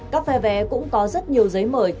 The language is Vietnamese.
các phe vé cũng có rất nhiều giấy mở